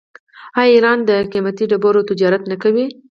آیا ایران د قیمتي ډبرو تجارت نه کوي؟